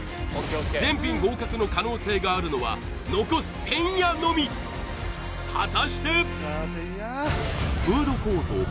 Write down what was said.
全品合格の可能性があるのは残すてんやのみ果たして？